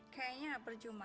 kayaknya gak percuma